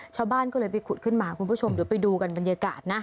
ชาวบ้านก็เลยไปขุดขึ้นมาคุณผู้ชมเดี๋ยวไปดูกันบรรยากาศนะ